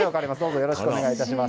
よろしくお願いします。